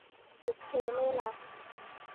บุพเพเล่ห์รัก